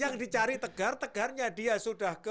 yang dicari tegar tegarnya dia sudah ke